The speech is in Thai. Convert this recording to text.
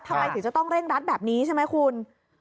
ทำไมถึงจะต้องเร่งรัดแบบนี้ใช่ไหมคุณ